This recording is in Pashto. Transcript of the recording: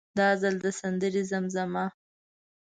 دا ځل د سندرې زمزمه.